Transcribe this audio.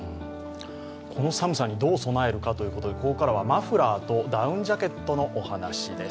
この寒さにどう備えるかということで、ここからはマフラーとダウンジャケットのお話です。